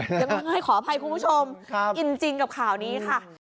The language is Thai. ยังไงขออภัยคุณผู้ชมอินจริงกับข่าวนี้ค่ะ